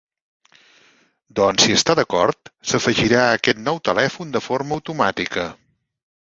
Doncs si està d'acord, s'afegirà aquest nou telèfon de forma automàtica.